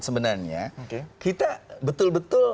sebenarnya kita betul betul